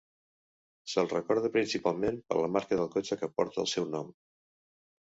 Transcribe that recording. Se'l recorda principalment per la marca del cotxe que porta el seu nom.